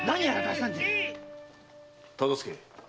忠相。